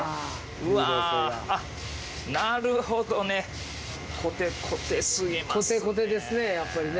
うわあっなるほどねコテコテすぎますねコテコテですね